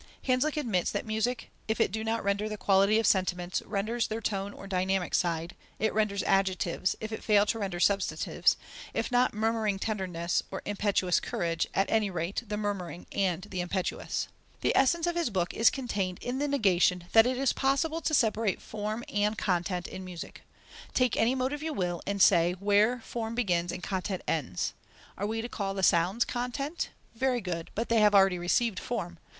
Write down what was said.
Hanslick admits that music, if it do not render the quality of sentiments, renders their tone or dynamic side; it renders adjectives, if it fail to render substantives; if not "murmuring tenderness" or "impetuous courage," at any rate the "murmuring" and the "impetuous." The essence of his book is contained in the negation that it is possible to separate form and content in music. "Take any motive you will, and say where form begins and content ends. Are we to call the sounds content? Very good, but they have already received form.